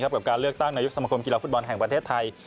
กับการเลือกตั้งนายกสมคมกีฬาฟุตบอลแห่งประเทศไทย